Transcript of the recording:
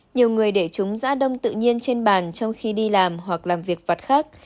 nhiều người để chúng dã đông tự nhiên trên bàn trong khi đi làm hoặc làm việc vặt khác